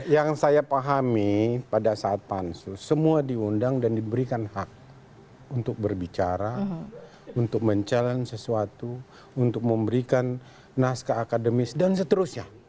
yang saya pahami pada saat pansus semua diundang dan diberikan hak untuk berbicara untuk mencabar sesuatu untuk memberikan naskah akademis dan seterusnya